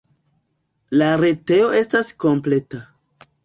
La retejo estas kompleta.